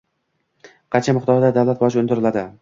qancha miqdorda davlat boji undiriladi?